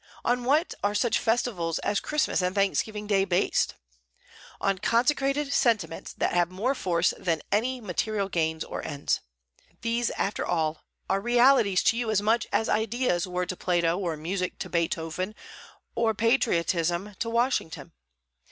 On what are such festivals as Christmas and Thanksgiving Day based? on consecrated sentiments that have more force than any material gains or ends. These, after all, are realities to you as much as ideas were to Plato, or music to Beethoven, or patriotism to Washington.